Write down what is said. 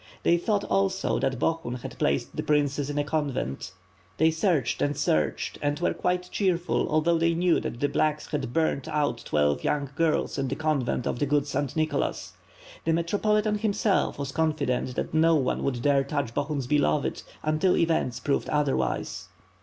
They thought, also, that Bohun had placed the princess in a con vent. They searched and searched, and were quite cheerful although they knew that the 'blacks' had burned out twelve young girls in the convent of the good St. Nicholas. The Metropolitan, himself, was confident that no one would dare touch Bohun's beloved, until events proved otherwise."